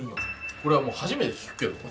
これはもう初めて聞くけど。